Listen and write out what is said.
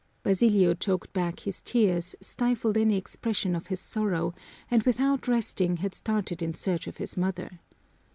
Basilio choked back his tears, stifled any expression of his sorrow, and without resting had started in search of his mother.